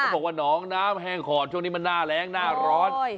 เขาบอกว่าน้องน้ำแห้งขอดช่วงนี้มันน่าแร้งร้อน